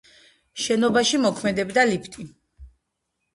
შენობაში მოქმედებდა ლიფტი.